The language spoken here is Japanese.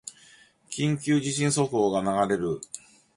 緊急地震速報が流れる